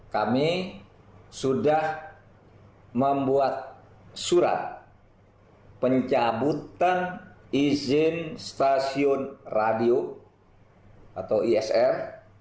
kami sudah membuat surat pencabutan izin stasiun radio atau isf